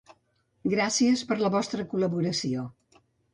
Gràcies per la vostra col·laboració.